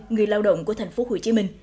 người lao động của tp hcm